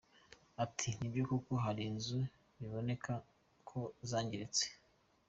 Ati "Ni byo koko hari inzu biboneka ko zangiritse.